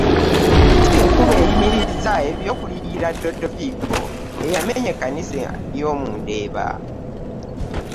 Kkooti enkulu eyimirizza eby'okuliyirira Dodoviiko eyamenya ekkanisa y'omu Ndeeba.